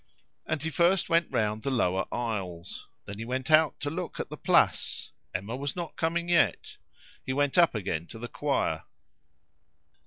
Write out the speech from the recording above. And he first went round the lower aisles. Then he went out to look at the Place. Emma was not coming yet. He went up again to the choir.